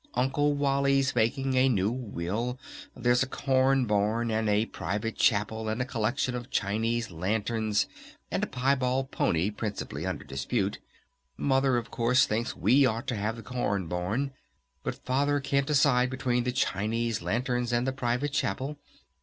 "Uncle Wally's making a new will. There's a corn barn and a private chapel and a collection of Chinese lanterns and a piebald pony principally under dispute. Mother, of course thinks we ought to have the corn barn. But Father can't decide between the Chinese lanterns and the private chapel.